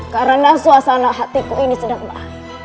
karena suasana hatiku ini sedang baik